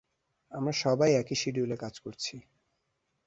আমরা সবাই একই শিডিউলে কাজ করছি।